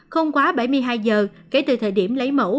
không quá bảy mươi hai giờ kể từ thời điểm lấy mẫu